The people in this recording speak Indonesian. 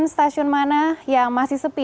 stasiun mana yang masih sepi